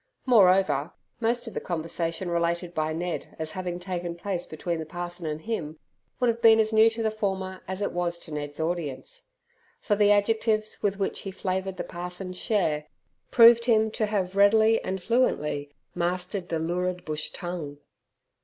Moreover, most of the conversation related by Ned as having taken place between the parson and him would have been as new to the former as it was to Ned's audience. For the adjectives with which he flavoured the parson's share proved him to have readily and fluently mastered the lurid bush tongue.